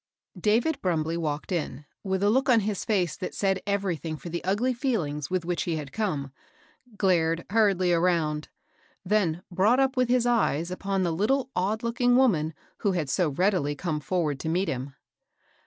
JAVID BRUMBLEY walked in, with a look on his face that said everything for the ugly feelings with which he had come ; glared hurriedly around, th^a brought up with his eyes upon the little odd looking woman who had so readily come forward to meet him.